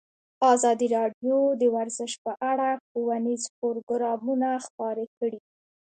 ازادي راډیو د ورزش په اړه ښوونیز پروګرامونه خپاره کړي.